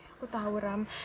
aku tahu ram